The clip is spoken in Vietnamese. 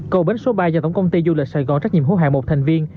cầu bến số ba do tổng công ty du lịch sài gòn trách nhiệm hữu hạng một thành viên